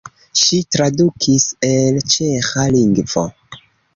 Ŝi tradukis el ĉeĥa lingvo.